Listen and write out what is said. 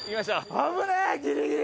危ねえギリギリ！